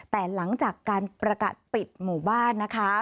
แต่หลังจากการประกาศปิดหมู่บ้านนะคะ